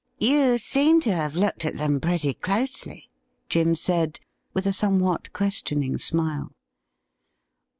' You seem to have looked at them pretty closely,' Jim said, with a somewhat questioning smile.